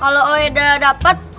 kalau oe udah dapet